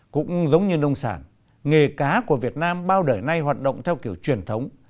cũng giống như nông sản nghề cá của việt nam bao đời nay hoạt động theo kiểu truyền thống